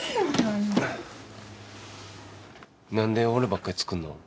何で俺ばっかり作るの？